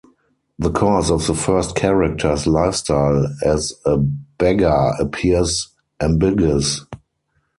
The cause of the first character's lifestyle as a beggar appears ambiguous.